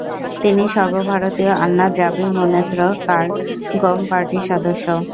তিনি সর্বভারতীয় আন্না দ্রাবিড় মুনেত্র কাড়গম পার্টির সদস্য।